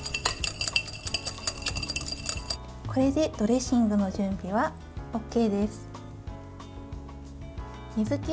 これでドレッシングの準備はＯＫです。